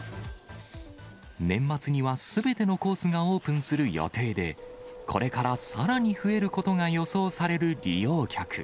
年末にはすべてのコースがオープンする予定で、これからさらに増えることが予想される利用客。